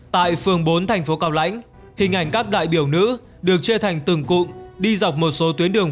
tại phường bốn thành phố cao lãnh hình ảnh các đại biểu nữ được chia thành từng cụm đi dọc một số tuyến đường